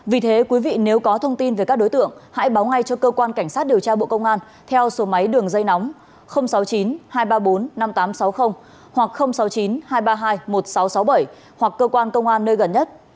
vì thế quý vị nếu có thông tin về các đối tượng hãy báo ngay cho cơ quan cảnh sát điều tra bộ công an theo số máy đường dây nóng sáu mươi chín hai trăm ba mươi bốn năm nghìn tám trăm sáu mươi hoặc sáu mươi chín hai trăm ba mươi hai một nghìn sáu trăm sáu mươi bảy hoặc cơ quan công an nơi gần nhất